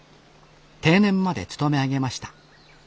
定年まで勤め上げました。